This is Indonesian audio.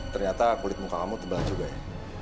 ternyata kulit muka kamu tebal juga ya